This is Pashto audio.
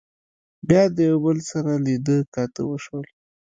بيا د يو بل سره لیدۀ کاتۀ وشول